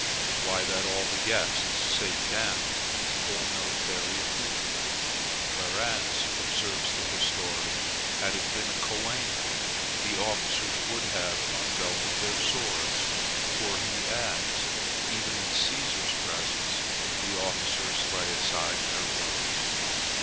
Why, that all the guests sate down in full military accoutrement; whereas, observes the historian, had it been a coena, the officers would have unbelted their swords; for, he adds, even in Cæsar's presence the officers lay aside their swords.